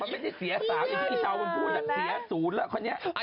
มันไม่ได้เสียสาวมันจะเสียศูนย์แล้ว